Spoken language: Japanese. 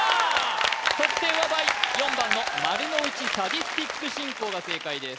得点は倍４番の丸ノ内サディスティック進行が正解です